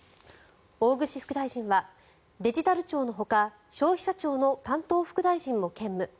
大串副大臣はデジタル庁のほか消費者庁の担当副大臣も兼務。